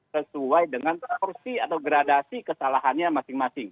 sesuai dengan porsi atau gradasi kesalahannya masing masing